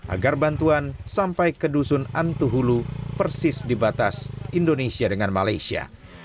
agar bantuan sampai ke dusun antuhulu persis di batas indonesia dengan malaysia